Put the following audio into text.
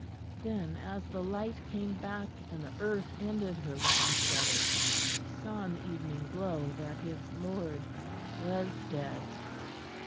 Then, as the light came back, and the earth ended her long shudder, he saw in the evening glow that his Lord was dead.